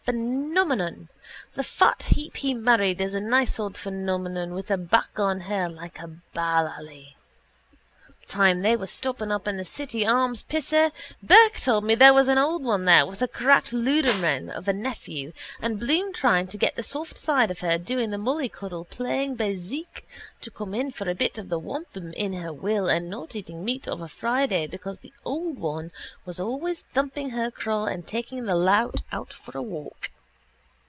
Phenomenon! The fat heap he married is a nice old phenomenon with a back on her like a ballalley. Time they were stopping up in the City Arms pisser Burke told me there was an old one there with a cracked loodheramaun of a nephew and Bloom trying to get the soft side of her doing the mollycoddle playing bézique to come in for a bit of the wampum in her will and not eating meat of a Friday because the old one was always thumping her craw and taking the lout out for a walk.